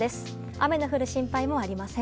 雨の降る心配もありません。